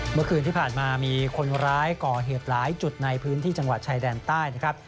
เมื่อคืนที่ผ่านมามีคนร้ายก่อเหตุหลายจุดในพื้นที่จังหวัดชายแดนใต้นะครับ